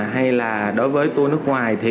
hay là đối với tour nước ngoài